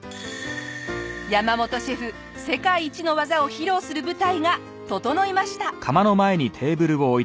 山本シェフ世界一の技を披露する舞台が整いました。